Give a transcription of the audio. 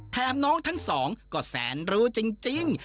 แถมน้องทั้งสองก็แสนรู้จริง